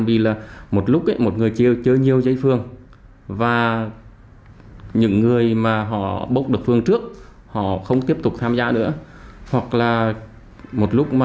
và những người mà họ bốc được phường trước họ không tiếp tục tham gia nữa hoặc là một lúc mà